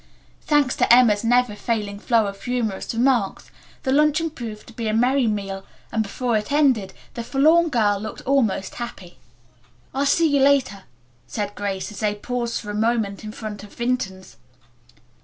Thanks to Emma's never failing flow of humorous remarks the luncheon proved to be a merry meal and before it ended the forlorn girl looked almost happy. "I'll see you later," said Grace, as they paused for a moment in front of Vinton's.